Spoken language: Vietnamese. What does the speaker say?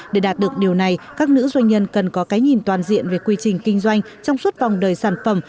để đạt được điều này các nữ doanh nhân cần có cái nhìn toàn diện về quy trình kinh doanh trong suốt vòng đời sản phẩm